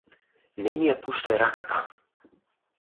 Не ми ја пуштај раката.